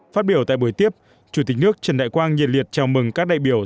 phát biểu tại buổi tiếp chủ tịch nước trần đại quang nhiệt liệt chào mừng các đại biểu